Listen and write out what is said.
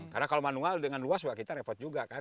karena kalau manual dengan luas kita repot juga kan